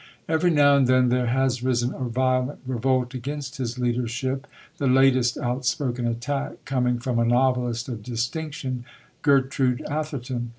Every now and then there has risen a violent revolt against his leadership, the latest outspoken attack coming from a novelist of distinction, Gertrude Atherton.